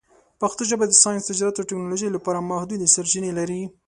پښتو ژبه د ساینس، تجارت، او ټکنالوژۍ لپاره محدودې سرچینې لري.